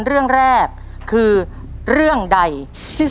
ใช่นักร้องบ้านนอก